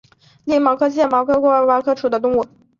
颗粒毛壳蟹为扇蟹科毛壳蟹属的动物。